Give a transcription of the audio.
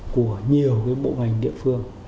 của nhiều cái bộ ngành địa phương